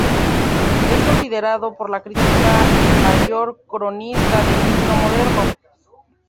Es considerado por la crítica el mayor cronista del Egipto moderno.